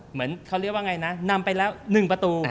เหมือนเขาเรียกว่าไงนะนำไปแล้ว๑ประตู